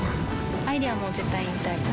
愛里はもう絶対引退。